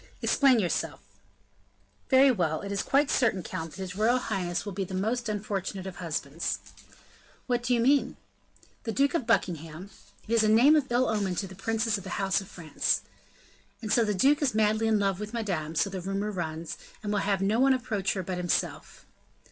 "Explain yourself." "Very well; it is quite certain, count, that his royal highness will be the most unfortunate of husbands." "What do you mean?" "The Duke of Buckingham " "It is a name of ill omen to the princes of the house of France." "And so the duke is madly in love with Madame, so the rumor runs, and will have no one approach her but himself."